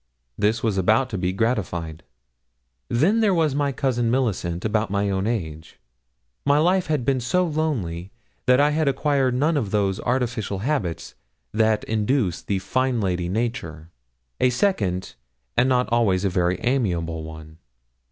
This was about to be gratified. Then there was my cousin Milicent, about my own age. My life had been so lonely, that I had acquired none of those artificial habits that induce the fine lady nature a second, and not always a very amiable one.